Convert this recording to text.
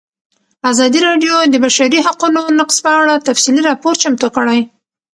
ازادي راډیو د د بشري حقونو نقض په اړه تفصیلي راپور چمتو کړی.